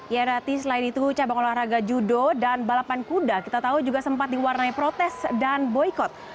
ya rati selain itu cabang olahraga judo dan balapan kuda kita tahu juga sempat diwarnai protes dan boykot